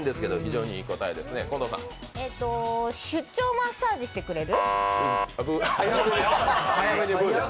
出張マッサージしてくれる。